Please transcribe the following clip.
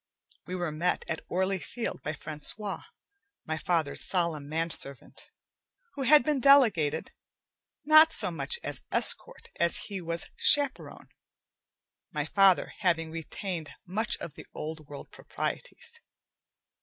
We were met at Orly Field by Francois, my father's solemn manservant, who had been delegated not so much as escort as he was chaperone, my father having retained much of the old world proprieties.